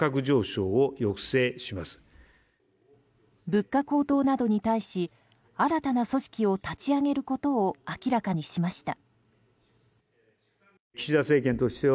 物価高騰などに対し新たな組織を立ち上げることを明らかにしました。